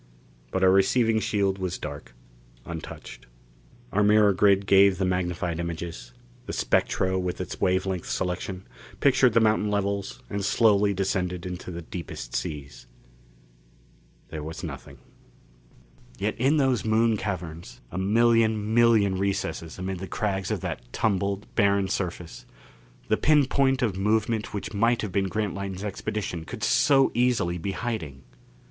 But our receiving shield was dark, untouched. Our mirror grid gave the magnified images; the spectro, with its wave length selection, pictured the mountain levels and slowly descended into the deepest seas. There was nothing. Yet in those Moon caverns a million million recesses amid the crags of that tumbled, barren surface the pin point of movement which might have been Grantline's expedition could so easily be hiding!